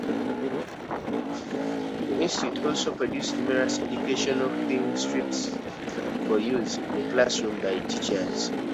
The Institute also produced numerous educational 'filmstrips' for use in the classroom by teachers.